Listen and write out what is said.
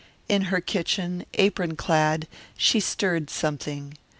In her kitchen, apron clad, she stirred something.